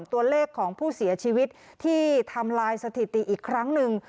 ตัวเลขของผู้เสียชีวิตที่ทำลายสถิติอีกครั้งหนึ่ง